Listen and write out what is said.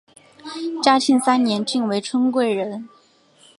嘉庆三年晋为春贵人。